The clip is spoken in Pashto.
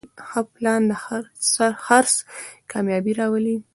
ښه پلان د خرڅ کامیابي راولي.